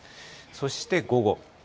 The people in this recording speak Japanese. そして午後。